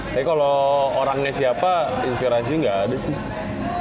tapi kalau orangnya siapa inspirasi gak ada sih